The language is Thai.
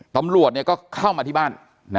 ตำรวจก็เข้ามาที่บ้าน